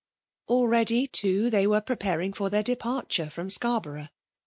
Already too, they were preparing for their d^arture from Scarborough.